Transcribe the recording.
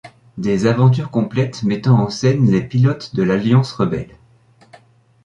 Des aventures complètes mettant en scène les pilotes de l'Alliance Rebelle.